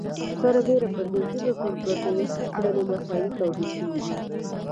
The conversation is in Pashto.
سربېره پر دې ځینې ټولګټې کړنې مساوي توزیع شوي دي